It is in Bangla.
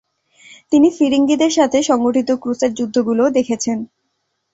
তিনি ফিরিঙ্গীদের সাথে সংঘটিত ক্রুসেড যুদ্ধগুলোও দেখেছেন।